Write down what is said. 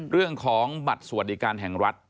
เรื่องของบัตรสวัสดิการแห่งรัฐ